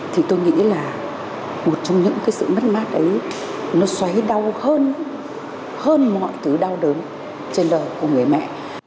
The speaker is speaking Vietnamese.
thì tôi nghĩ là một trong những cái sự mất mát ấy nó xoáy đau hơn mọi thứ đau đớn trên đời của người mẹ